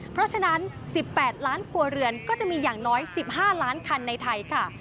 เพราะฉะนั้น๑๘ล้านครัวเรือนก็จะมีอย่างน้อย๑๕ล้านคันในไทยค่ะ